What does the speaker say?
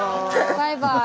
バイバイ。